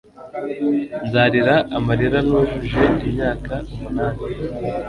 Nzarira amarira nujuje imyaka umunani